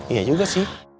iya juga sih